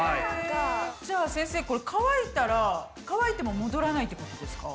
じゃあ先生これ乾いたら乾いても戻らないってことですか？